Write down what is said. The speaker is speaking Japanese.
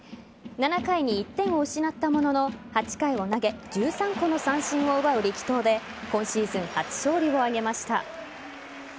７回に１点を失ったものの８回を投げ１３個の三振を奪う力投で今シーズン初勝利を挙げました。